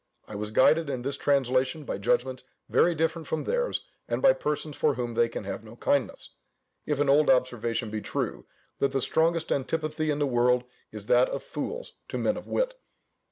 I was guided in this translation by judgments very different from theirs, and by persons for whom they can have no kindness, if an old observation be true, that the strongest antipathy in the world is that of fools to men of wit.